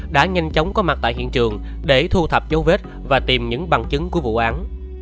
đã nhanh chóng có mặt tại hiện trường để thu thập dấu vết và tìm những bằng chứng của vụ án